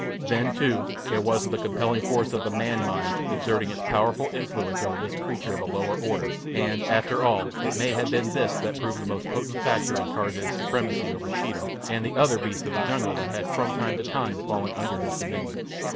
Then, too, there was the compelling force of the manmind exerting its powerful influence over this creature of a lower order, and, after all, it may have been this that proved the most potent factor in Tarzan's supremacy over Sheeta and the other beasts of the jungle that had from time to time fallen under his domination.